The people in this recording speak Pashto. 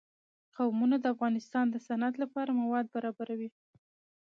قومونه د افغانستان د صنعت لپاره مواد برابروي.